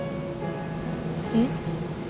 えっ？